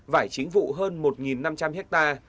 vải chính vụ hơn một năm trăm linh ha